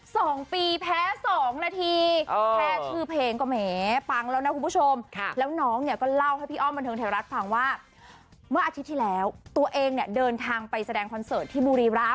สองปีแพ้สองนาทีแพ้ชื่อเพมแกาหมี๋แล้วน้องจะก็เล่าให้บันเทิงไทยรัฐฟังว่าเมื่ออาทิตย์ที่แล้วตัวเองเนี้ยเดินทางไปแสดงคอนเซิร์ทที่บูรีรัม